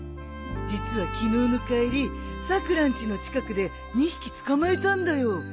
実は昨日の帰りさくらんちの近くで２匹捕まえたんだよ。